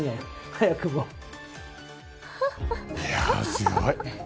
すごい！